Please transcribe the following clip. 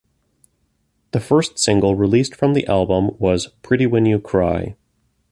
The first single released from the album was "Pretty When You Cry".